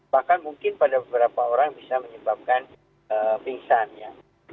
bahkan mungkin pada beberapa orang bisa menyebabkan pingsannya